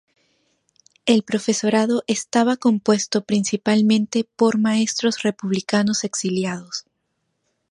El profesorado estaba compuesto principalmente por maestros republicanos exiliados.